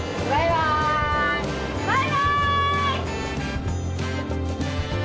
バイバイ！